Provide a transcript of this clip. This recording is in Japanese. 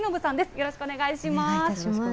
よろしくお願いします。